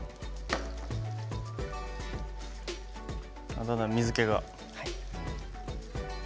あ、だんだん水けが。